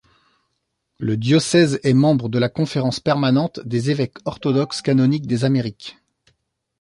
Le diocèse est membre de la Conférence permanente des Évêques orthodoxes canoniques des Amériques.